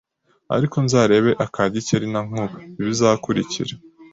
ariko nzarebe aka Gikeli na Nkuba ibizakurikira